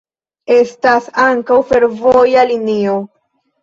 Estas ankaŭ fervoja linio.